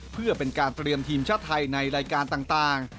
เพื่อเป็นการเตรียมทีมชาติไทยในรายการต่าง